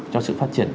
cho sự phát triển